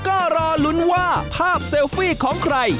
ก็รอลุ้นว่าภาพเซลฟี่ของใคร